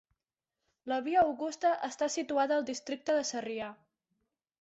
La Via Augusta està situada al districte de Sarrià.